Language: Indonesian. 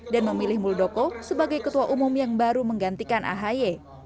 dan memilih muldoko sebagai ketua umum yang baru menggantikan ahy